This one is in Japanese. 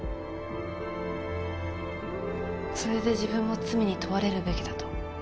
それで自分も罪に問われるべきだと？